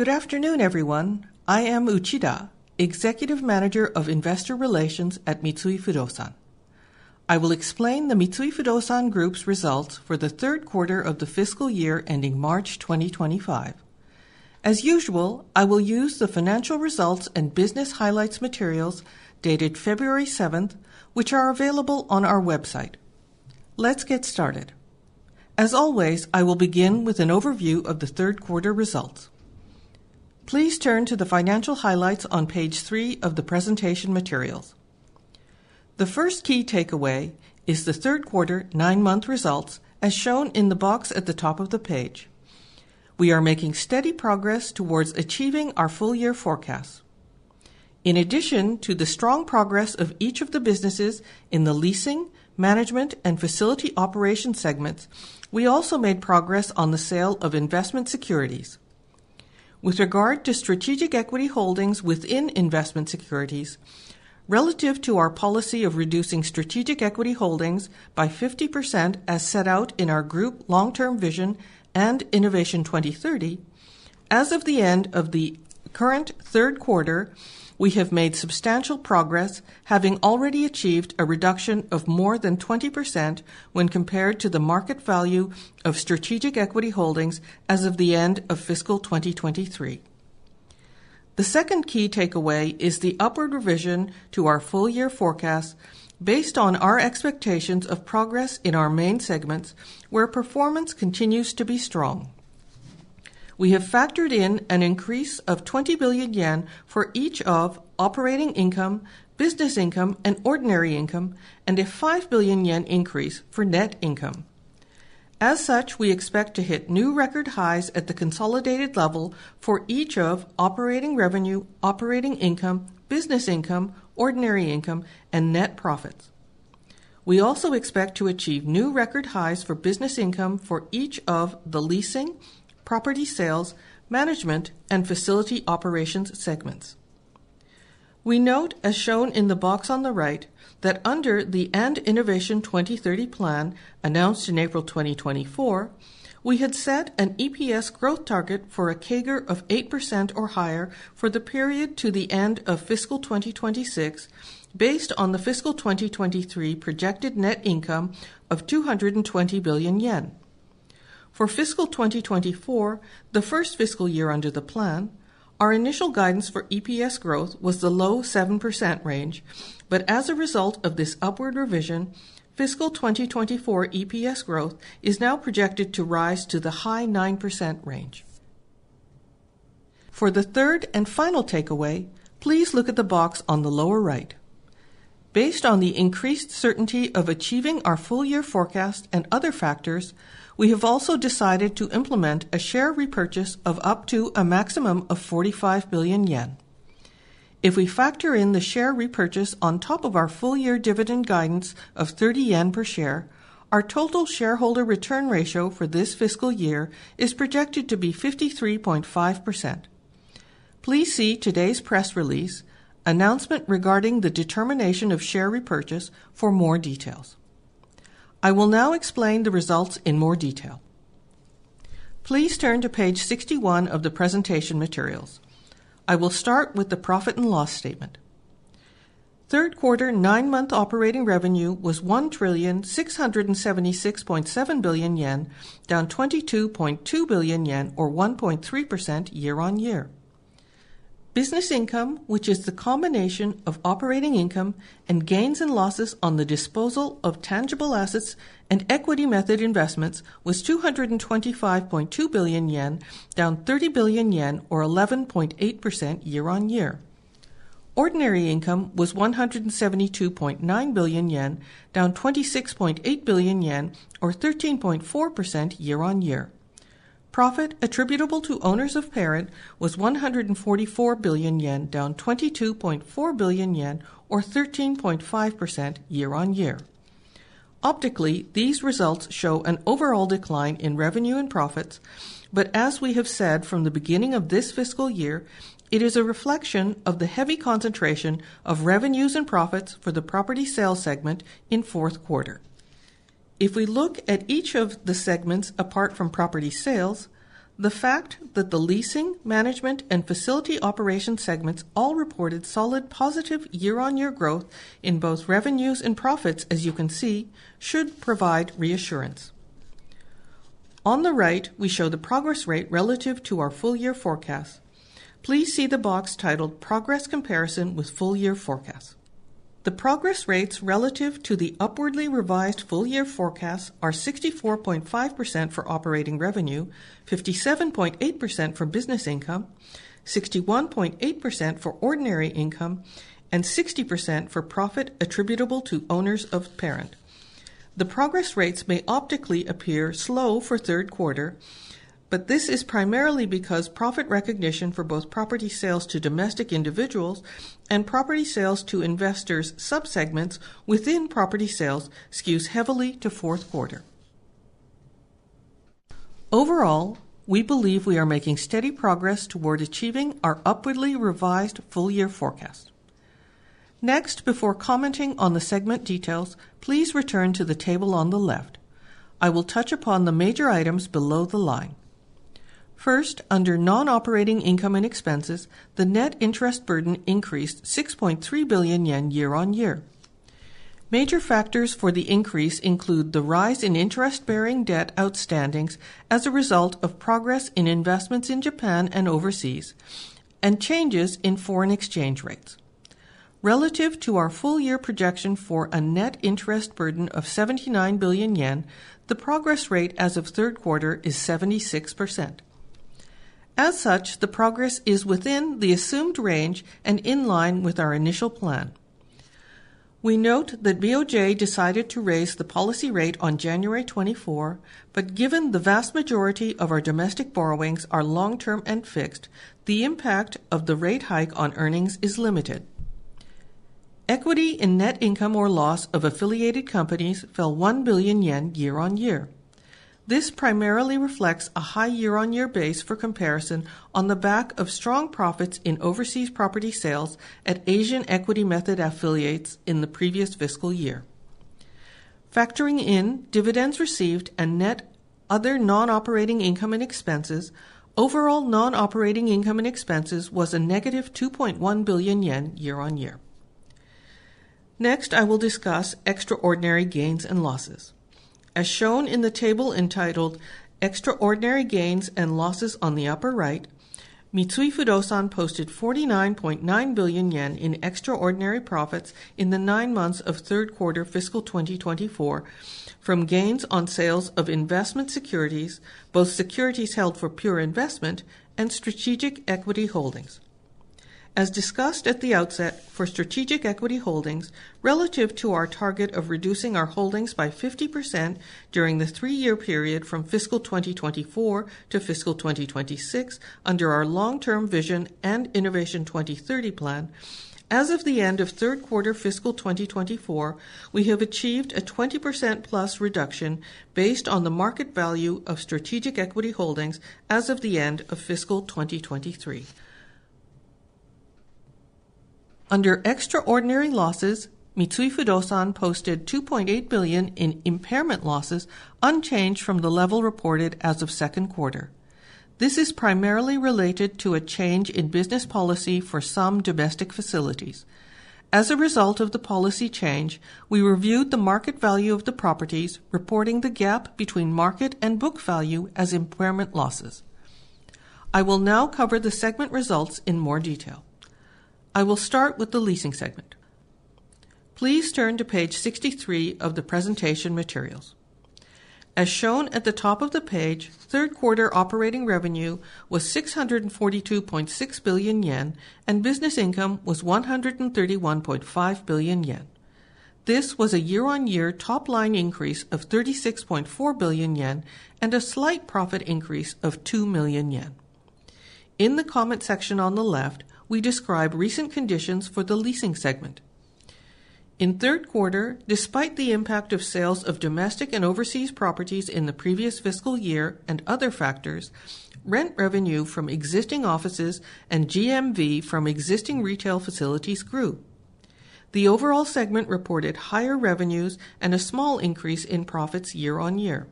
Good afternoon, everyone. I am Uchida, Executive Manager of Investor Relations at Mitsui Fudosan. I will explain the Mitsui Fudosan Group's results for the third quarter of the fiscal year ending March 2025. As usual, I will use the financial results and business highlights materials dated February 7th, which are available on our website. Let's get started. As always, I will begin with an overview of the third quarter results. Please turn to the financial highlights on page 3 of the presentation materials. The first key takeaway is the third quarter nine-month results, as shown in the box at the top of the page. We are making steady progress towards achieving our full-year forecast. In addition to the strong progress of each of the businesses in the leasing, management, and facility operation segments, we also made progress on the sale of investment securities. With regard to strategic equity holdings within investment securities, relative to our policy of reducing strategic equity holdings by 50% as set out in our Group Long-Term Vision & Innovation 2030, as of the end of the current third quarter, we have made substantial progress, having already achieved a reduction of more than 20% when compared to the market value of strategic equity holdings as of the end of fiscal 2023. The second key takeaway is the upward revision to our full-year forecast based on our expectations of progress in our main segments, where performance continues to be strong. We have factored in an increase of 20 billion yen for each of operating income, business income, and ordinary income, and a 5 billion yen increase for net income. As such, we expect to hit new record highs at the consolidated level for each of operating revenue, operating income, business income, ordinary income, and net profits. We also expect to achieve new record highs for business income for each of the leasing, property sales, management, and facility operations segments. We note, as shown in the box on the right, that under the & Innovation 2030 plan announced in April 2024, we had set an EPS growth target for a CAGR of 8% or higher for the period to the end of fiscal 2026, based on the fiscal 2023 projected net income of 220 billion yen. For fiscal 2024, the first fiscal year under the plan, our initial guidance for EPS growth was the low 7% range, but as a result of this upward revision, fiscal 2024 EPS growth is now projected to rise to the high 9% range. For the third and final takeaway, please look at the box on the lower right. Based on the increased certainty of achieving our full-year forecast and other factors, we have also decided to implement a share repurchase of up to a maximum of 45 billion yen. If we factor in the share repurchase on top of our full-year dividend guidance of 30 yen per share, our total shareholder return ratio for this fiscal year is projected to be 53.5%. Please see today's press release, announcement regarding the determination of share repurchase, for more details. I will now explain the results in more detail. Please turn to page 61 of the presentation materials. I will start with the profit and loss statement. Third quarter nine-month operating revenue was 1 trillion 676.7 billion, down 22.2 billion yen, or 1.3% year-on-year. Business Income, which is the combination of Operating Income and gains and losses on the disposal of tangible assets and equity method investments, was 225.2 billion yen, down 30 billion yen, or 11.8% year-on-year. Ordinary Income was 172.9 billion yen, down 26.8 billion yen, or 13.4% year-on-year. Profit attributable to owners of parent was 144 billion yen, down 22.4 billion yen, or 13.5% year-on-year. Optically, these results show an overall decline in revenue and profits, but as we have said from the beginning of this fiscal year, it is a reflection of the heavy concentration of revenues and profits for the property sales segment in fourth quarter. If we look at each of the segments apart from property sales, the fact that the leasing, management, and facility operation segments all reported solid positive year-on-year growth in both revenues and profits, as you can see, should provide reassurance. On the right, we show the progress rate relative to our full-year forecast. Please see the box titled Progress Comparison with Full-Year Forecast. The progress rates relative to the upwardly revised full-year forecast are 64.5% for operating revenue, 57.8% for business income, 61.8% for ordinary income, and 60% for profit attributable to owners of parent. The progress rates may optically appear slow for third quarter, but this is primarily because profit recognition for both property sales to domestic individuals and property sales to investors subsegments within property sales skews heavily to fourth quarter. Overall, we believe we are making steady progress toward achieving our upwardly revised full-year forecast. Next, before commenting on the segment details, please return to the table on the left. I will touch upon the major items below the line. First, under non-operating income and expenses, the net interest burden increased 6.3 billion yen year-on-year. Major factors for the increase include the rise in interest-bearing debt outstandings as a result of progress in investments in Japan and overseas, and changes in foreign exchange rates. Relative to our full-year projection for a net interest burden of 79 billion yen, the progress rate as of third quarter is 76%. As such, the progress is within the assumed range and in line with our initial plan. We note that BOJ decided to raise the policy rate on January 24, but given the vast majority of our domestic borrowings are long-term and fixed, the impact of the rate hike on earnings is limited. Equity in net income or loss of affiliated companies fell 1 billion yen year-on-year. This primarily reflects a high year-on-year base for comparison on the back of strong profits in overseas property sales at Asian Equity Method affiliates in the previous fiscal year. Factoring in dividends received and net other non-operating income and expenses, overall non-operating income and expenses was a negative 2.1 billion yen year on year. Next, I will discuss extraordinary gains and losses. As shown in the table entitled Extraordinary Gains and Losses on the upper right, Mitsui Fudosan posted 49.9 billion yen in extraordinary profits in the nine months of third quarter fiscal 2024 from gains on sales of investment securities, both securities held for pure investment and Strategic Equity Holdings. As discussed at the outset for strategic equity holdings, relative to our target of reducing our holdings by 50% during the three-year period from fiscal 2024 to fiscal 2026 under our long-term vision & Innovation 2030 plan, as of the end of third quarter fiscal 2024, we have achieved a 20% plus reduction based on the market value of strategic equity holdings as of the end of fiscal 2023. Under extraordinary losses, Mitsui Fudosan posted 2.8 billion in impairment losses unchanged from the level reported as of second quarter. This is primarily related to a change in business policy for some domestic facilities. As a result of the policy change, we reviewed the market value of the properties, reporting the gap between market and book value as impairment losses. I will now cover the segment results in more detail. I will start with the leasing segment. Please turn to page 63 of the presentation materials. As shown at the top of the page, third quarter operating revenue was 642.6 billion yen, and business income was 131.5 billion yen. This was a year-on-year top-line increase of 36.4 billion yen and a slight profit increase of 2 million yen. In the comment section on the left, we describe recent conditions for the leasing segment. In third quarter, despite the impact of sales of domestic and overseas properties in the previous fiscal year and other factors, rent revenue from existing offices and GMV from existing retail facilities grew. The overall segment reported higher revenues and a small increase in profits year-on-year.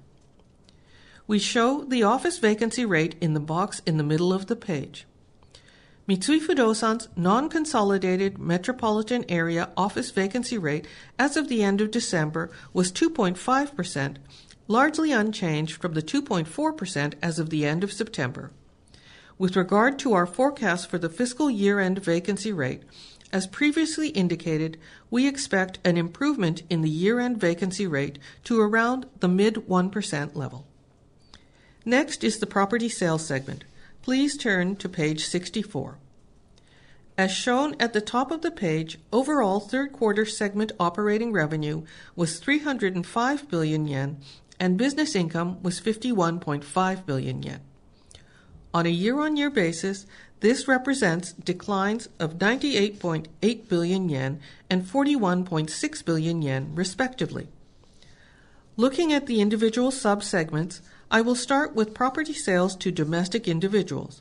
We show the office vacancy rate in the box in the middle of the page. Mitsui Fudosan's non-consolidated metropolitan area office vacancy rate as of the end of December was 2.5%, largely unchanged from the 2.4% as of the end of September. With regard to our forecast for the fiscal year-end vacancy rate, as previously indicated, we expect an improvement in the year-end vacancy rate to around the mid 1% level. Next is the property sales segment. Please turn to page 64. As shown at the top of the page, overall third quarter segment operating revenue was 305 billion yen, and business income was 51.5 billion yen. On a year-on-year basis, this represents declines of 98.8 billion yen and 41.6 billion yen, respectively. Looking at the individual subsegments, I will start with property sales to domestic individuals.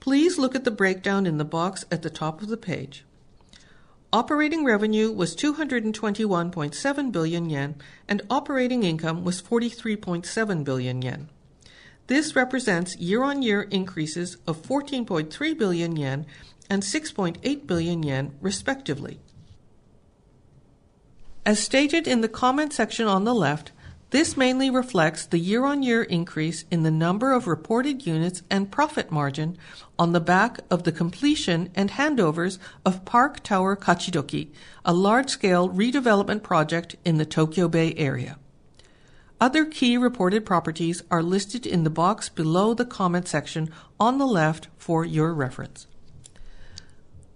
Please look at the breakdown in the box at the top of the page. Operating revenue was 221.7 billion yen, and operating income was 43.7 billion yen. This represents year-on-year increases of 14.3 billion yen and 6.8 billion yen, respectively. As stated in the comment section on the left, this mainly reflects the year-on-year increase in the number of reported units and profit margin on the back of the completion and handovers of Park Tower Kachidoki, a large-scale redevelopment project in the Tokyo Bay area. Other key reported properties are listed in the box below the comment section on the left for your reference.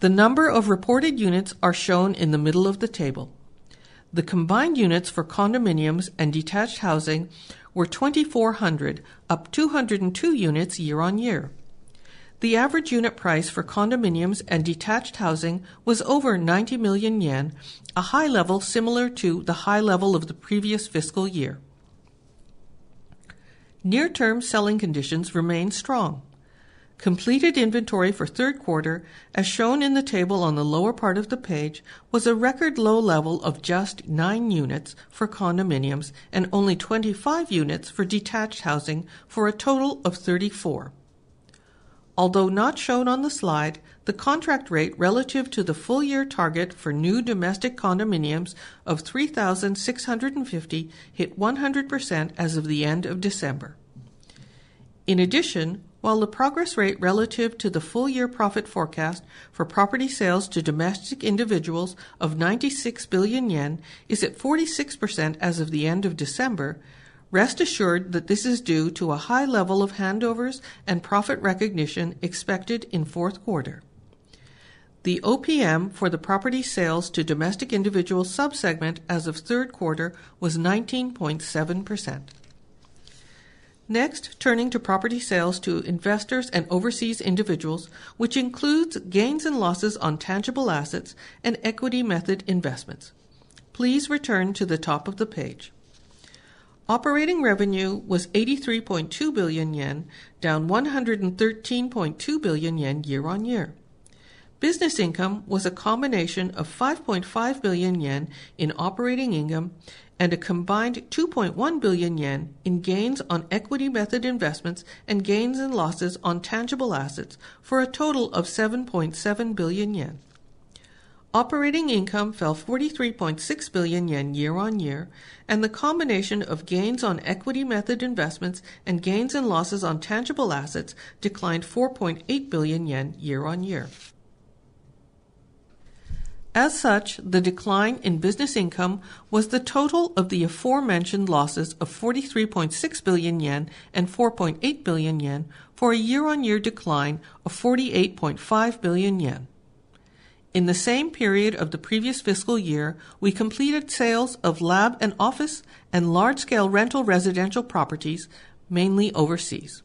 The number of reported units are shown in the middle of the table. The combined units for condominiums and detached housing were 2,400, up 202 units year-on-year. The average unit price for condominiums and detached housing was over 90 million yen, a high level similar to the high level of the previous fiscal year. Near-term selling conditions remain strong. Completed inventory for third quarter, as shown in the table on the lower part of the page, was a record low level of just 9 units for condominiums and only 25 units for detached housing for a total of 34. Although not shown on the slide, the contract rate relative to the full-year target for new domestic condominiums of 3,650 hit 100% as of the end of December. In addition, while the progress rate relative to the full-year profit forecast for property sales to domestic individuals of 96 billion yen is at 46% as of the end of December, rest assured that this is due to a high level of handovers and profit recognition expected in fourth quarter. The OPM for the property sales to domestic individuals subsegment as of third quarter was 19.7%. Next, turning to property sales to investors and overseas individuals, which includes gains and losses on tangible assets and equity method investments. Please return to the top of the page. Operating revenue was 83.2 billion yen, down 113.2 billion yen year-on-year. Business income was a combination of 5.5 billion yen in operating income and a combined 2.1 billion yen in gains on equity method investments and gains and losses on tangible assets for a total of 7.7 billion yen. Operating income fell 43.6 billion yen year-on-year, and the combination of gains on equity method investments and gains and losses on tangible assets declined 4.8 billion yen year-on-year. As such, the decline in business income was the total of the aforementioned losses of 43.6 billion yen and 4.8 billion yen for a year-on-year decline of 48.5 billion yen. In the same period of the previous fiscal year, we completed sales of lab and office and large-scale rental residential properties, mainly overseas.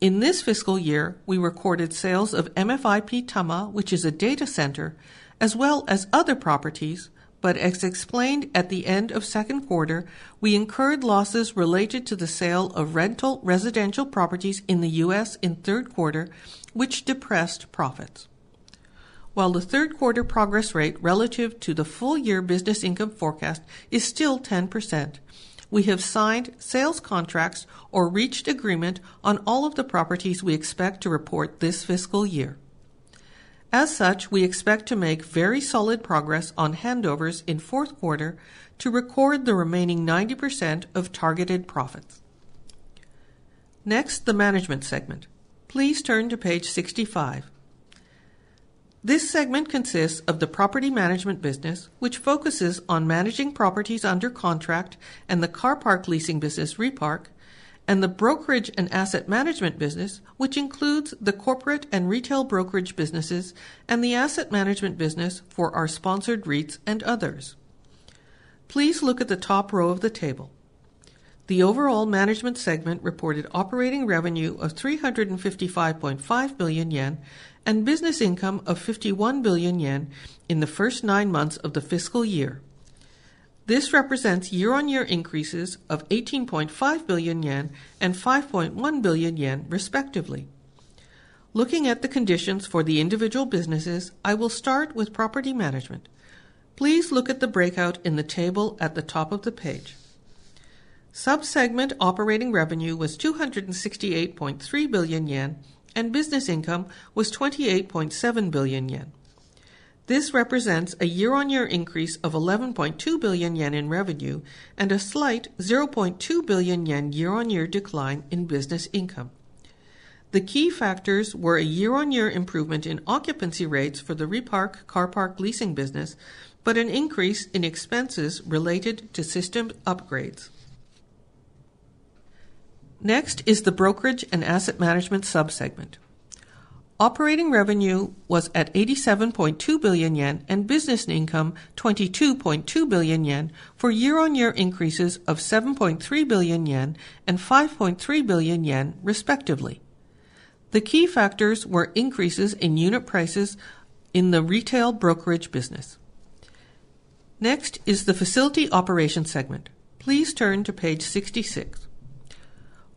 In this fiscal year, we recorded sales of MFIP Tama, which is a data center, as well as other properties, but as explained at the end of second quarter, we incurred losses related to the sale of rental residential properties in the U.S. in third quarter, which depressed profits. While the third quarter progress rate relative to the full-year business income forecast is still 10%, we have signed sales contracts or reached agreement on all of the properties we expect to report this fiscal year. As such, we expect to make very solid progress on handovers in fourth quarter to record the remaining 90% of targeted profits. Next, the management segment. Please turn to page 65. This segment consists of the property management business, which focuses on managing properties under contract and the car park leasing business, Repark, and the brokerage and asset management business, which includes the corporate and retail brokerage businesses and the asset management business for our sponsored REITs and others. Please look at the top row of the table. The overall management segment reported operating revenue of 355.5 billion yen and business income of 51 billion yen in the first nine months of the fiscal year. This represents year-on-year increases of 18.5 billion yen and 5.1 billion yen, respectively. Looking at the conditions for the individual businesses, I will start with property management. Please look at the breakout in the table at the top of the page. Subsegment operating revenue was 268.3 billion yen, and business income was 28.7 billion yen. This represents a year-on-year increase of 11.2 billion yen in revenue and a slight 0.2 billion yen year-on-year decline in business income. The key factors were a year-on-year improvement in occupancy rates for the Repark car park leasing business, but an increase in expenses related to system upgrades. Next is the brokerage and asset management subsegment. Operating revenue was at 87.2 billion yen and business income 22.2 billion yen for year-on-year increases of 7.3 billion yen and 5.3 billion yen, respectively. The key factors were increases in unit prices in the retail brokerage business. Next is the facility operation segment. Please turn to page 66.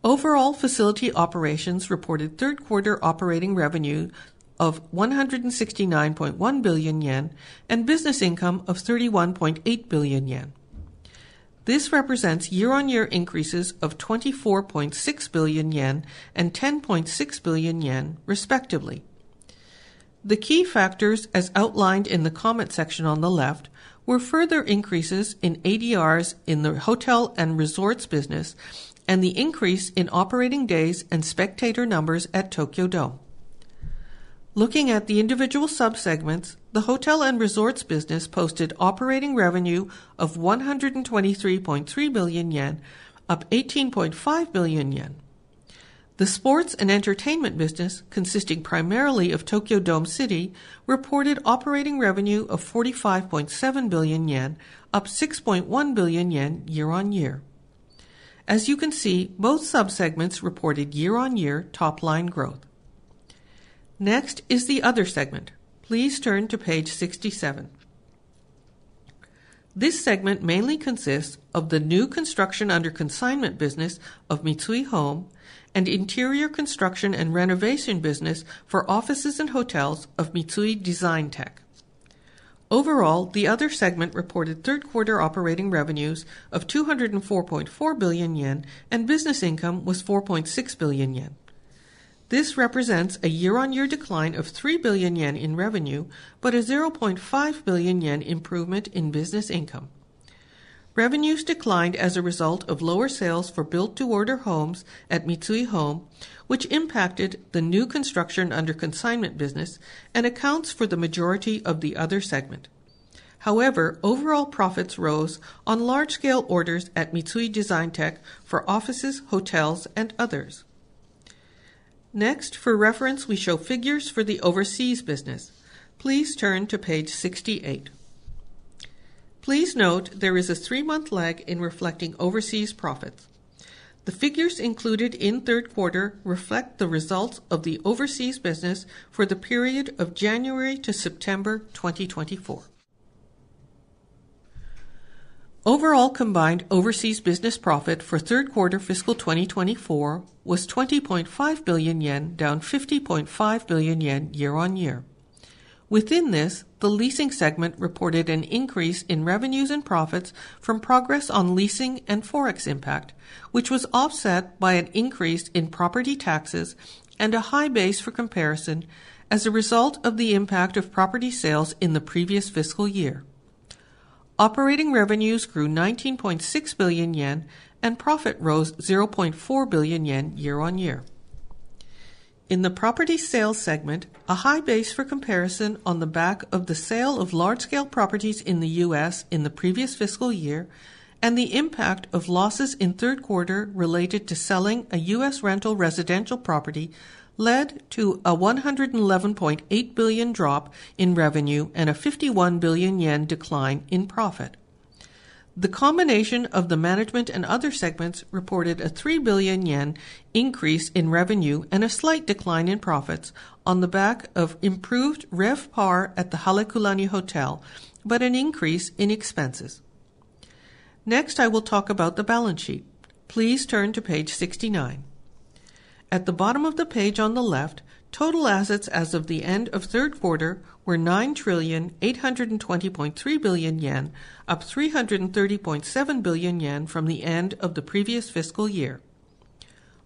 Overall facility operations reported third quarter operating revenue of 169.1 billion yen and business income of 31.8 billion yen. This represents year-on-year increases of 24.6 billion yen and 10.6 billion yen, respectively. The key factors, as outlined in the comment section on the left, were further increases in ADRs in the hotel and resorts business and the increase in operating days and spectator numbers at Tokyo Dome. Looking at the individual subsegments, the hotel and resorts business posted operating revenue of 123.3 billion yen, up 18.5 billion yen. The sports and entertainment business, consisting primarily of Tokyo Dome City, reported operating revenue of 45.7 billion yen, up 6.1 billion yen year-on-year. As you can see, both subsegments reported year-on-year top-line growth. Next is the other segment. Please turn to page 67. This segment mainly consists of the new construction under consignment business of Mitsui Home and interior construction and renovation business for offices and hotels of Mitsui Design Tech. Overall, the other segment reported third quarter operating revenues of 204.4 billion yen and business income was 4.6 billion yen. This represents a year-on-year decline of 3 billion yen in revenue, but a 0.5 billion yen improvement in business income. Revenues declined as a result of lower sales for built-to-order homes at Mitsui Home, which impacted the new construction under consignment business and accounts for the majority of the other segment. However, overall profits rose on large-scale orders at Mitsui Design Tech for offices, hotels, and others. Next, for reference, we show figures for the overseas business. Please turn to page 68. Please note there is a three-month lag in reflecting overseas profits. The figures included in third quarter reflect the results of the overseas business for the period of January to September 2024. Overall combined overseas business profit for third quarter fiscal 2024 was 20.5 billion yen, down 50.5 billion yen year-on-year. Within this, the leasing segment reported an increase in revenues and profits from progress on leasing and forex impact, which was offset by an increase in property taxes and a high base for comparison as a result of the impact of property sales in the previous fiscal year. Operating revenues grew 19.6 billion yen and profit rose 0.4 billion yen year-on-year. In the property sales segment, a high base for comparison on the back of the sale of large-scale properties in the U.S. in the previous fiscal year and the impact of losses in third quarter related to selling a U.S. rental residential property led to a 111.8 billion drop in revenue and a 51 billion yen decline in profit. The combination of the management and other segments reported a 3 billion yen increase in revenue and a slight decline in profits on the back of improved RevPAR at the Halekulani Hotel, but an increase in expenses. Next, I will talk about the balance sheet. Please turn to page 69. At the bottom of the page on the left, total assets as of the end of third quarter were 9 trillion 820.3 billion yen, up 330.7 billion yen from the end of the previous fiscal year.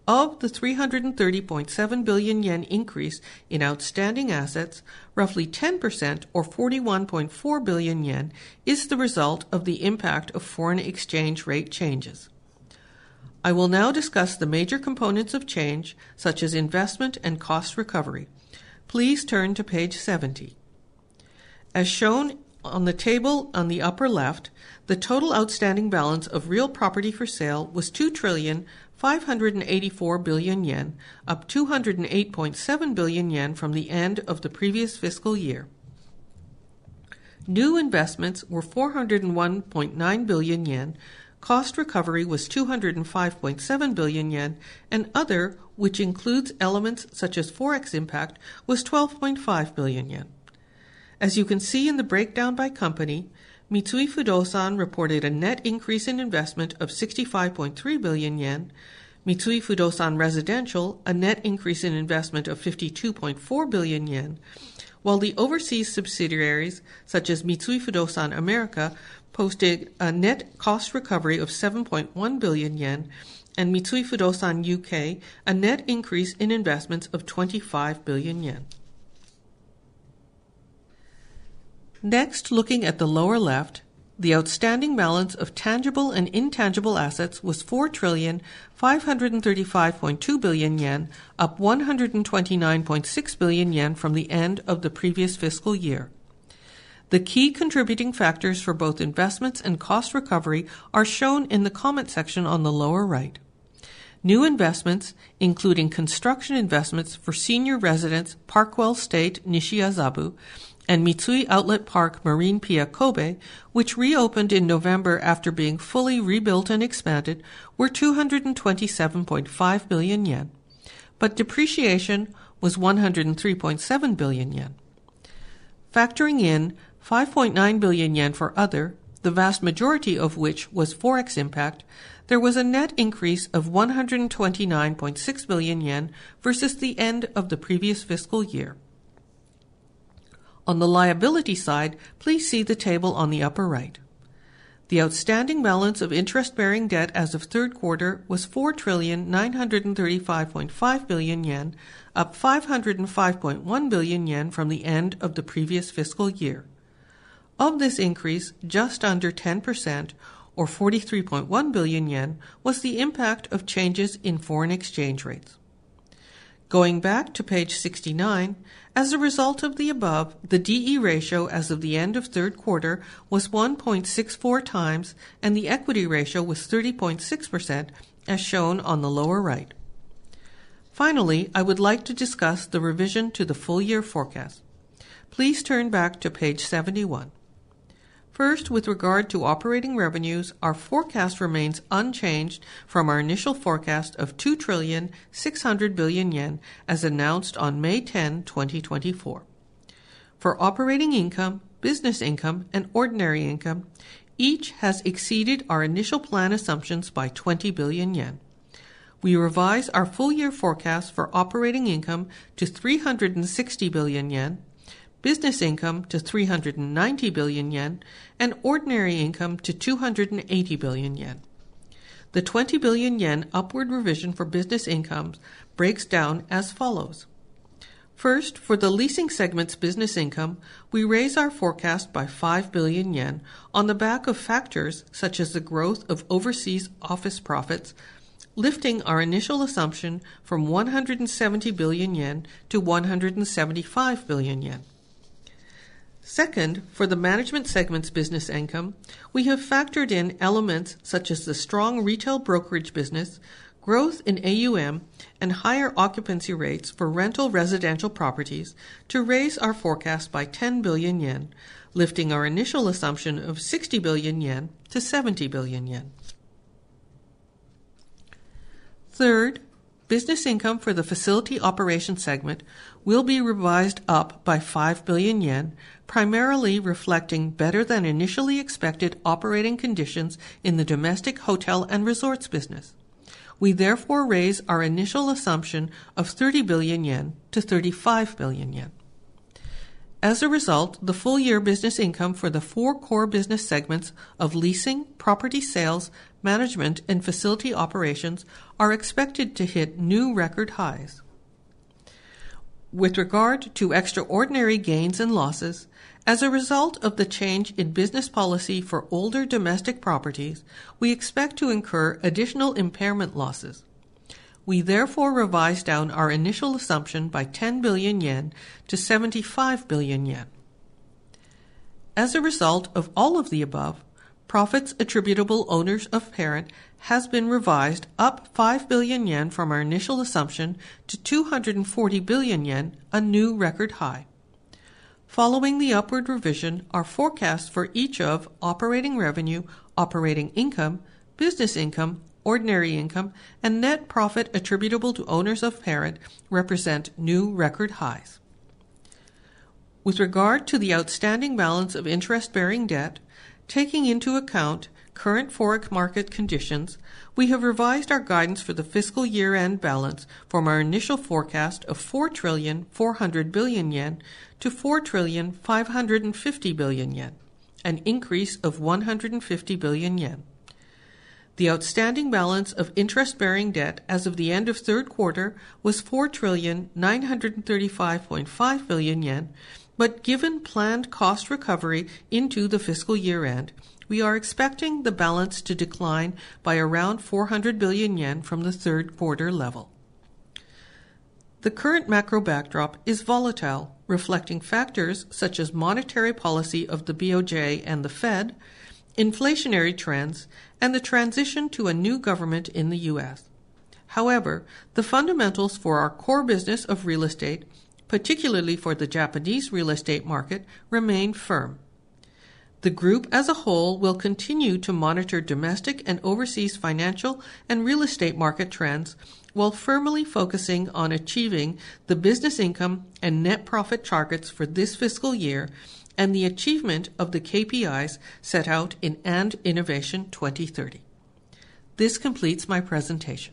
Of the 330.7 billion yen increase in outstanding assets, roughly 10% or 41.4 billion yen is the result of the impact of foreign exchange rate changes. I will now discuss the major components of change, such as investment and cost recovery. Please turn to page 70. As shown on the table on the upper left, the total outstanding balance of real property for sale was 2 trillion 584 billion, up 208.7 billion yen from the end of the previous fiscal year. New investments were 401.9 billion yen, cost recovery was 205.7 billion yen, and other, which includes elements such as forex impact, was 12.5 billion yen. As you can see in the breakdown by company, Mitsui Fudosan reported a net increase in investment of 65.3 billion yen, Mitsui Fudosan Residential a net increase in investment of 52.4 billion yen, while the overseas subsidiaries such as Mitsui Fudosan America posted a net cost recovery of 7.1 billion yen and Mitsui Fudosan UK a net increase in investments of 25 billion yen. Next, looking at the lower left, the outstanding balance of tangible and intangible assets was 4 trillion 535.2 billion up 129.6 billion yen from the end of the previous fiscal year. The key contributing factors for both investments and cost recovery are shown in the comment section on the lower right. New investments, including construction investments for senior residence Park Wellstate Nishiazabu and Mitsui Outlet Park Marine Pia Kobe, which reopened in November after being fully rebuilt and expanded, were 227.5 billion yen, but depreciation was 103.7 billion yen. Factoring in 5.9 billion yen for other, the vast majority of which was forex impact, there was a net increase of 129.6 billion yen versus the end of the previous fiscal year. On the liability side, please see the table on the upper right. The outstanding balance of interest-bearing debt as of third quarter was 4 trillion 935.5 billion, up 505.1 billion yen from the end of the previous fiscal year. Of this increase, just under 10% or 43.1 billion yen was the impact of changes in foreign exchange rates. Going back to page 69, as a result of the above, the DE ratio as of the end of third quarter was 1.64 times and the equity ratio was 30.6%, as shown on the lower right. Finally, I would like to discuss the revision to the full-year forecast. Please turn back to page 71. First, with regard to operating revenues, our forecast remains unchanged from our initial forecast of 2 trillion 600 billion as announced on May 10, 2024. For operating income, business income, and ordinary income, each has exceeded our initial plan assumptions by 20 billion yen. We revise our full-year forecast for operating income to 360 billion yen, business income to 390 billion yen, and ordinary income to 280 billion yen. The 20 billion yen upward revision for business incomes breaks down as follows. First, for the leasing segment's business income, we raise our forecast by 5 billion yen on the back of factors such as the growth of overseas office profits, lifting our initial assumption from 170 billion yen to 175 billion yen. Second, for the management segment's business income, we have factored in elements such as the strong retail brokerage business, growth in AUM, and higher occupancy rates for rental residential properties to raise our forecast by 10 billion yen, lifting our initial assumption of 60 billion yen to 70 billion yen. Third, business income for the facility operation segment will be revised up by 5 billion yen, primarily reflecting better than initially expected operating conditions in the domestic hotel and resorts business. We therefore raise our initial assumption of 30 billion yen to 35 billion yen. As a result, the full-year business income for the four core business segments of leasing, property sales, management, and facility operations are expected to hit new record highs. With regard to extraordinary gains and losses, as a result of the change in business policy for older domestic properties, we expect to incur additional impairment losses. We therefore revise down our initial assumption by 10 billion yen to 75 billion yen. As a result of all of the above, profits attributable to owners of parent has been revised up 5 billion yen from our initial assumption to 240 billion yen, a new record high. Following the upward revision, our forecast for each of Operating Revenue, Operating Income, Business Income, Ordinary Income, and net profit attributable to owners of parent represent new record highs. With regard to the outstanding balance of interest-bearing debt, taking into account current forex market conditions, we have revised our guidance for the fiscal year-end balance from our initial forecast of 4 trillion 400 billion to 4 trillion 550 billion, an increase of 150 billion yen. The outstanding balance of interest-bearing debt as of the end of third quarter was 4 trillion 935.5 billion, but given planned cost recovery into the fiscal year-end, we are expecting the balance to decline by around 400 billion yen from the third quarter level. The current macro backdrop is volatile, reflecting factors such as monetary policy of the BOJ and the Fed, inflationary trends, and the transition to a new government in the U.S. However, the fundamentals for our core business of real estate, particularly for the Japanese real estate market, remain firm. The group as a whole will continue to monitor domestic and overseas financial and real estate market trends while firmly focusing on achieving the business income and net profit targets for this fiscal year and the achievement of the KPIs set out in & Innovation 2030. This completes my presentation.